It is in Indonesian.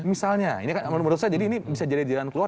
misalnya ini kan menurut saya jadi ini bisa jadi jalan keluar